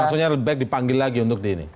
maksudnya lebih baik dipanggil lagi untuk di ini